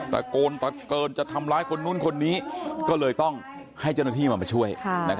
ตะโกนเกินจะทำร้ายคนนู้นคนนี้ก็เลยต้องให้เจ้าหน้าที่มามาช่วย